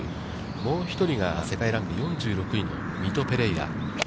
もう１人が世界ランク４６位のミト・ペレイラ。